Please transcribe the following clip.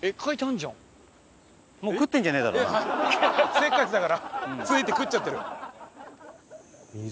せっかちだから着いて食っちゃってる？